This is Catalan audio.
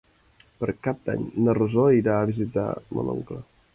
Per Cap d'Any na Rosó irà a visitar mon oncle.